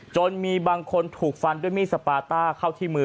จนมีบางคนถูกฟันด้วยมีดสปาต้าเข้าที่มือ